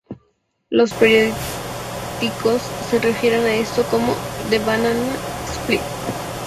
Los periódicos se refieren a esto como "The Banana Split".